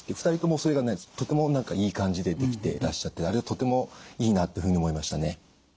２人ともそれがねとてもいい感じでできてらっしゃってあれはとてもいいなっていうふうに思いましたね。